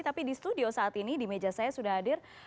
tapi di studio saat ini di meja saya sudah hadir